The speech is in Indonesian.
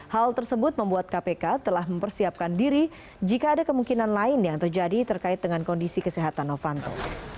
hal tersebut membuat kpk telah mempersiapkan diri jika ada kemungkinan lain yang terjadi terkait dengan kondisi kesehatan novanto